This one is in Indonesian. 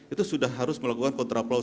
itu sudah harus melakukan kontraplow